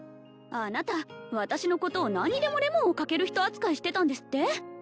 あなた私のことを何にでもレモンをかける人扱いしてたんですって！？